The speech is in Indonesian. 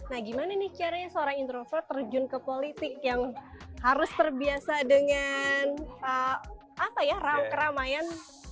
nah gimana nih caranya seorang introvert terjun ke politik yang harus terbiasa dengan keramaian